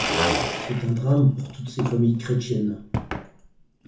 C’est un drame pour toutes ces familles chrétiennes.